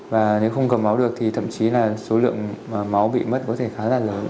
và nếu không cầm máu được thì thậm chí là số lượng máu bị mất có thể khá là lớn